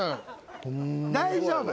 大丈夫。